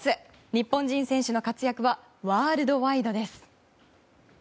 日本人選手の活躍はワールドワイドです。